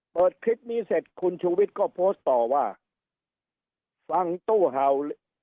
คลิปนี้เสร็จคุณชูวิทย์ก็โพสต์ต่อว่าฟังตู้เห่า